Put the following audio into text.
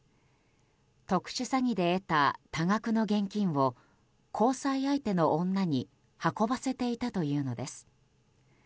特殊詐欺で得た多額の現金を交際相手の女に運ばせていたというのです。